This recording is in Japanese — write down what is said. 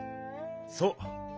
そう。